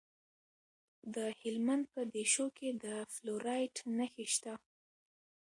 د هلمند په دیشو کې د فلورایټ نښې شته.